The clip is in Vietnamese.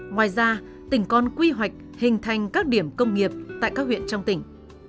ngoài ra tỉnh còn quy hoạch hình thành các điểm công nghiệp tại các huyện trong tỉnh